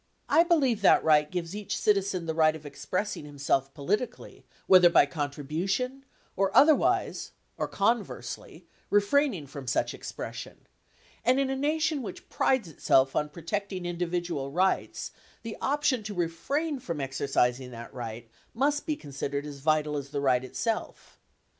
I believe that right gives each citizen the right of expressing himself politically, whether by contribution, or otherwise, or conversely, refraining from such expression; and in a Ration which prides itself on protecting in 1110 dividual rights, the option to refrain from exercising that right must be considered as vital as the right itself.